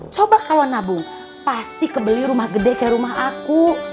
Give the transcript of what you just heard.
coba kalau nabung pasti kebeli rumah gede kayak rumah aku